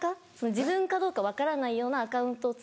自分かどうか分からないようなアカウントを使って。